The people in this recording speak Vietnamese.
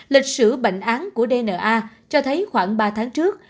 lịch sử bệnh án của dna cho thấy khoảng ba tháng trước